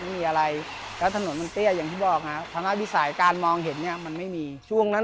มีอะไรก็ถนนเปรี้ยวอย่างอย่างบอกฮะคือว่าทันทนผู้ใส่การมองเห็นเนี่ยมันไม่มีช่วงนั้น